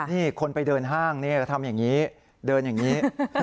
นี่คนไปเดินห้างนี่ก็ทำอย่างนี้เดินอย่างนี้